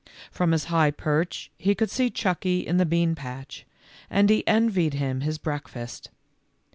From his high perch he could see Chucky in the bean patch, and he envied him his breakfast.